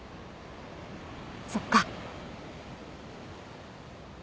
そっか。